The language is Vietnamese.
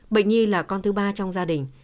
bệnh nhi là con thứ ba trong gia đình